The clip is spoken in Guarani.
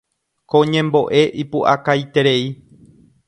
Ko ñembo'e ipu'akaiterei.